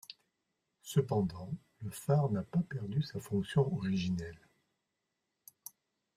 Cependant le phare n’a pas perdu sa fonction originelle.